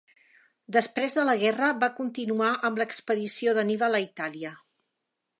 Després la guerra va continuar amb l'expedició d'Anníbal a Itàlia.